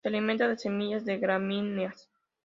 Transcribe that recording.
Se alimenta de semillas de gramíneas.